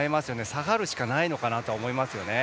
下がるしかないのかなと思いますよね。